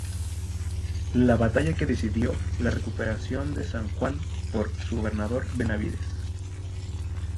La batalla que decidió la recuperación de San Juan por su gobernador Benavídez.